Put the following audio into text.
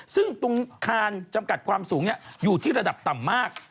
ซึ่งตรงคานจำกัดความสูงอยู่ที่ระดับต่ำมาก